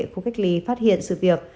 khu cách ly phát hiện sự việc